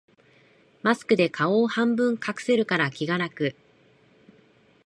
マスクで顔を半分隠せるから気が楽